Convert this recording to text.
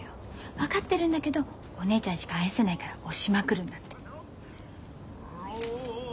分かってるんだけどお姉ちゃんしか愛せないから押しまくるんだって。